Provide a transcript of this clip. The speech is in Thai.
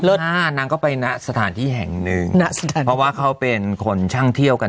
อ่านางก็ไปนะสถานที่แห่งหนึ่งเพราะว่าเขาเป็นคนช่างเที่ยวกัน